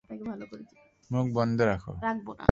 মুখ বন্ধ রাখো।